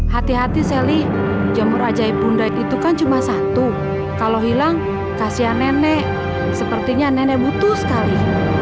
hati hati sally jamur ajai bunda itu kan cuma satu kalau hilang kasihan nenek sepertinya nenek butuh sekali